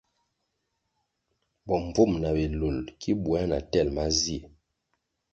Bombvúm na bilul ki buéah na tel mazie.